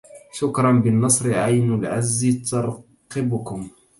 شكرا بالنصر عين العز ترقبكم